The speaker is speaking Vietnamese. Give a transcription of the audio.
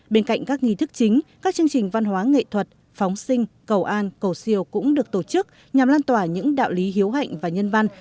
bên cạnh các nghi thức chính các chương trình văn hóa nghệ thuật phóng sinh cầu an cầu siêu cũng được tổ chức nhằm lan tỏa những đạo lý hiếu hạnh và nhân văn